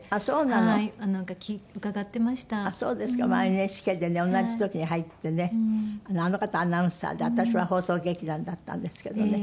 ＮＨＫでね同じ時に入ってねあの方はアナウンサーで私は放送劇団だったんですけどね。